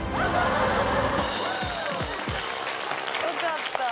よかった。